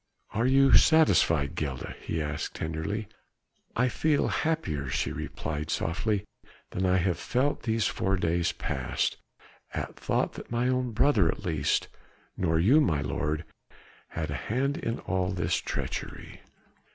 "Are you satisfied, Gilda?" he asked tenderly. "I feel happier," she replied softly, "than I have felt these four days past, at thought that my own brother at least nor you, my lord had a hand in all this treachery."